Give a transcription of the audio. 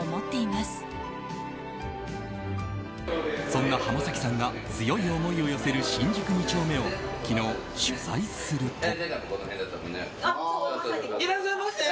そんな浜崎さんが強い思いを寄せる新宿二丁目を昨日、取材すると。